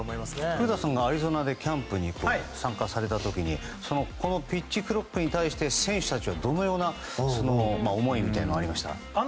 古田さんが、アリゾナでキャンプに参加された時このピッチクロックに対して選手たちはどのような思いみたいなのがありましたか？